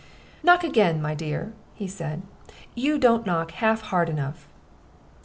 "Knock again, my dear," he said; "you don't knock half hard enough."